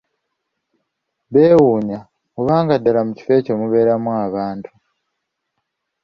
Bewuunya, oba nga ddala mu kifo ekyo mubeeramu abantu!